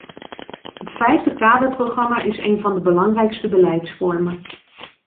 Het vijfde kaderprogramma is een van de belangrijkste beleidsvormen.